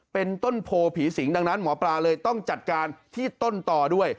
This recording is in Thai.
เป็นต้นโพผีสิงดังนั้นหมอปลาเลยต้องจัดการที่ต้นต่อด้วย